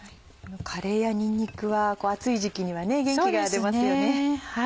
カレーやにんにくは暑い時期には元気が出ますよね。